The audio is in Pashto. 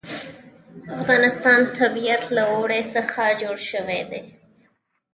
د افغانستان طبیعت له اوړي څخه جوړ شوی دی.